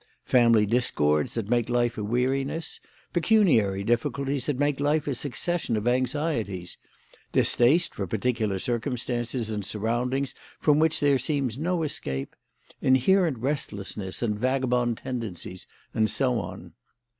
Family discords that make life a weariness; pecuniary difficulties that make life a succession of anxieties; distaste for particular circumstances and surroundings from which there seems no escape; inherent restlessness and vagabond tendencies, and so on.